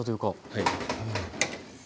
はい。